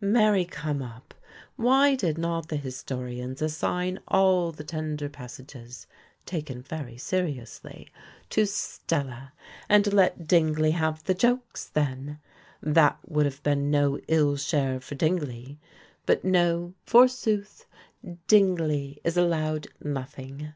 Marry come up! Why did not the historians assign all the tender passages (taken very seriously) to Stella, and let Dingley have the jokes, then? That would have been no ill share for Dingley. But no, forsooth, Dingley is allowed nothing.